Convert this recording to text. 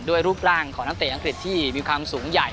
รูปร่างของนักเตะอังกฤษที่มีความสูงใหญ่